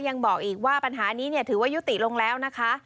ยังบอกอีกว่าปัญหานี้ถือว่ายุติลงแล้วนะคะ